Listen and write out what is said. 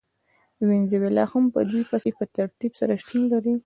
وینزویلا هم په دوی پسې په ترتیب سره شتون لري.